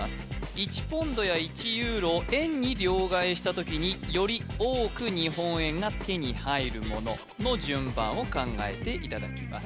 １ポンドや１ユーロを円に両替した時により多く日本円が手に入るものの順番を考えていただきます